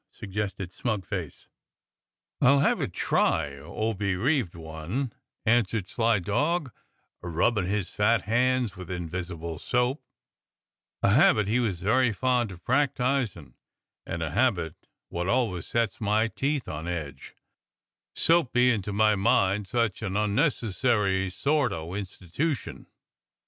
^' suggested smug face. 182 DOCTOR SYN "'I'll have a try, oh, bereaved one,' answered sly dog, a rubbin' his fat hands with invisible soap, a habit he was very fond of practisin' and a habit wot always sets my teeth on edge, soap bein' to my mind such an unnecessary sort o' institootion.